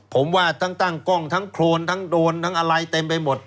ผมว่าตั้งตั้งก้องทางโครนทางโดรณ์ทางอะไรเต็มไปหมด